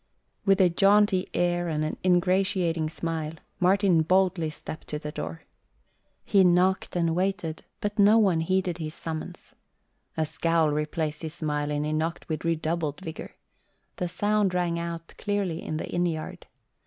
With a jaunty air and an ingratiating smile, Martin boldly stepped to the door. He knocked and waited but no one heeded his summons. A scowl replaced his smile and he knocked with redoubled vigour. The sound rang out clearly in the inn yard.